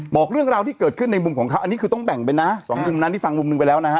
บอกเรื่องราวที่เกิดขึ้นในมุมของเขาอันนี้คือต้องแบ่งไปนะสองมุมนั้นที่ฟังมุมหนึ่งไปแล้วนะฮะ